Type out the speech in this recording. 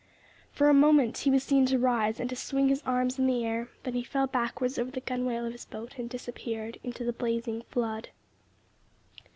For one moment he was seen to rise and swing his arms in the air then he fell backwards over the gunwale of his boat and disappeared in the blazing flood.